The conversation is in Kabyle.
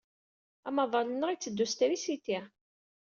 Amaḍal-nneɣ itteddu s trisiti.